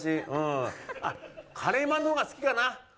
あっ、カレーマンの方が好きかな。